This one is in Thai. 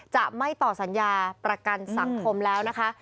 จะไม่ต่อสัญญาประกันสังคมแล้วนะคะ